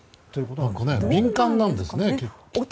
敏感なんですね。